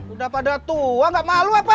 udah pada tua gak malu apa